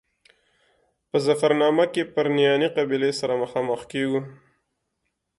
په ظفرنامه کې پرنیاني قبیلې سره مخامخ کېږو.